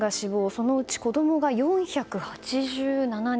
そのうち子供が４８７人。